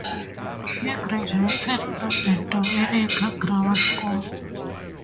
He graduated from the Dominica Grammar School.